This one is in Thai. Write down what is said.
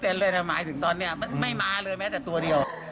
ไม่มีมายฟังแล้วไม่ถึงตัวเดียว